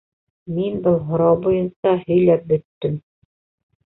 Мин был һорау буйынса һөйләп бөттөм